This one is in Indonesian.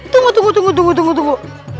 tunggu tunggu tunggu tunggu